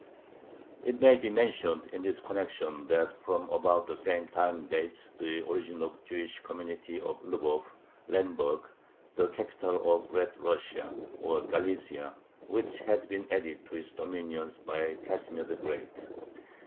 It may be mentioned in this connection that from about the same time dates the origin of the Jewish community of Lvov (Lemberg), the capital of Red Russia, or Galicia, which had been added to his dominions by Casimir the Great.